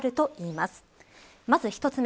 まず１つ目。